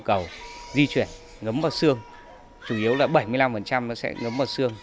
tế bào di chuyển ngấm vào xương chủ yếu là bảy mươi năm nó sẽ ngấm vào xương